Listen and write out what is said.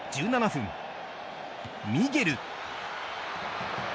１７分、ミゲル！